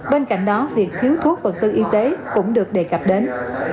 bên cạnh đó việc thiếu thuốc vật tư y tế cũng được đề cập đến